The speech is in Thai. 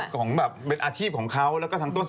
คุณเต๋าบอกว่าไม่ขอโทษ